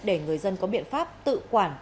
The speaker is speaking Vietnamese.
để người dân có biện pháp tự quản